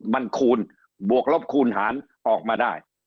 มันคูณบวกลบคูณหารออกมาได้